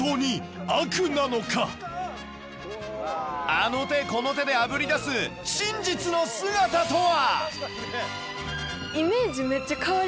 あの手この手であぶり出す真実の姿とは！？